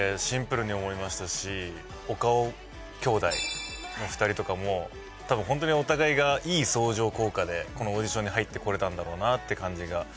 シンプルに思いましたし岡尾兄弟の２人とかもホントにお互いがいい相乗効果でこのオーディションに入ってこれたんだろうなって感じが。